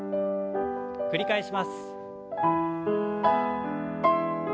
繰り返します。